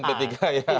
sekjen p tiga ya